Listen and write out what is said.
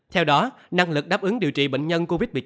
theo đó năng lực đáp ứng điều trị bệnh nhân covid một mươi chín